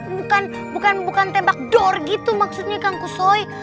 bukan bukan bukan tembak dor gitu maksudnya kang kusoy